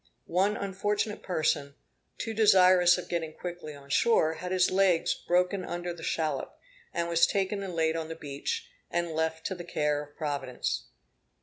One unfortunate person, too desirous of getting quickly on shore, had his legs broken under the shallop, and was taken and laid on the beach, and left to the care of Providence.